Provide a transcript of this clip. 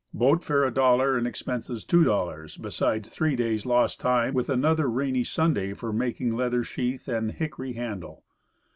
Boat fare $1.00, and expenses $2.00, besides three days lost time, with another rainy Sunday for making leather sheath and hickory handle.